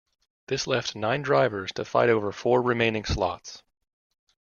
This left nine drivers to fight over four remaining slots.